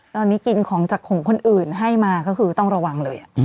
ตอนนี้กินของจากของคนอื่นให้มาก็คือต้องระวังเลย